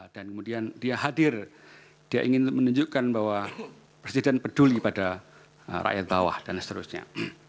dan kemudian dia hadir dia ingin menunjukkan bahwa presiden peduli pada rakyat bawah dan seterusnya